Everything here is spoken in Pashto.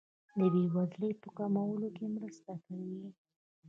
د بیوزلۍ په کمولو کې مرسته کوي.